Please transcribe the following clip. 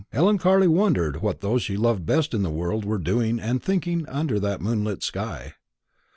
Ellen Carley wondered what those she loved best in the world were doing and thinking of under that moonlit sky.